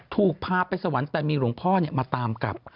ถูกพาไปสวรรค์แต่มีหลวงพ่อมาตามกลับ